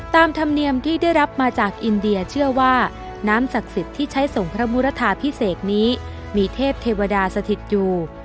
ตามธรรมเนียมที่ได้รับมาจากอินเดียเชื่อว่าน้ำศักดิ์สิทธิ์ที่ใช้ส่งพระมุรทาพิเศษนี้มีเทพเทวดาสถิตอยู่